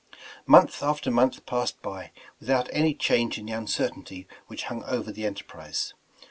'' Month after month passed by, without any change in the uncertainty which hung over the enterprise.